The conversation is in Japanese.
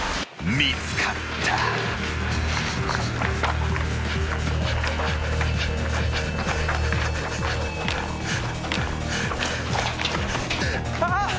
［見つかった］ああ！？